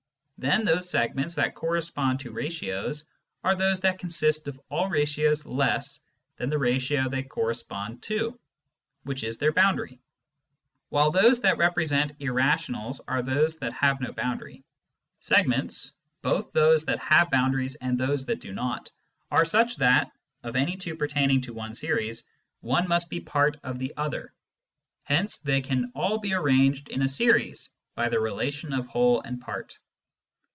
Then those segments that correspond to ratios are those that consist of all ratios less than the ratio they correspond to, which is their boundary ; while those that represent irrationals are those that have no boundary. Segments, both those that have boundaries and those that do not, are such that, of any two pertaining to one series, one must be part of the other ; hence they can all be arranged in a series by the relation of whole and part.